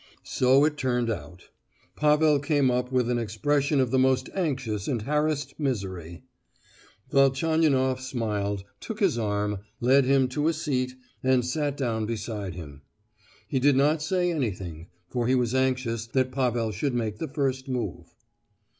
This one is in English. So it turned out. Pavel came up with an expression of the most anxious and harassed misery. Velchaninoff smiled, took his arm, led him to a seat, and sat down beside him. He did not say anything, for he was anxious that Pavel should make the first move.